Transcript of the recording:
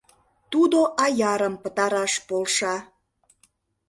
Тудо аярым пытараш полша.